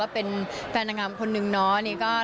แล้วก็เป็นแฟนดรรงินคนนึงเนาะ